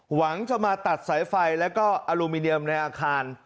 หวังจะมาตัดสายไฟแล้วก็อลูมิเนียมในอาคาร